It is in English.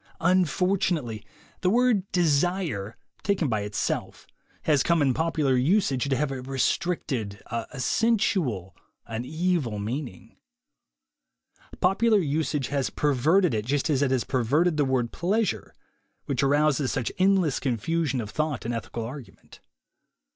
Unfortunately, the word "desire,'' taken by it self, has come in popular usage to have a restricted, a sensual, an evil meaning. Popular usage has perverted it just as it has perverted the word "pleasure." which arouses such endless confusion THE WAY TO WILL POWER 11 of thought in ethical argument.